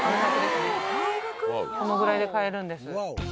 このぐらいで買えるんです。